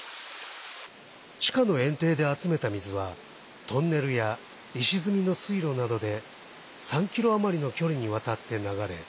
地下のえん堤で集めた水はトンネルや石積みの水路などで３ｋｍ余りの距離にわたって流れ